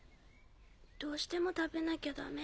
どうしても食べなきゃダメ？